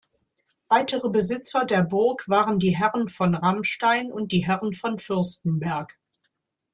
Weitere Besitzer der Burg waren die Herren von Ramstein und die Herren von Fürstenberg.